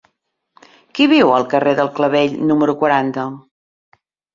Qui viu al carrer del Clavell número quaranta?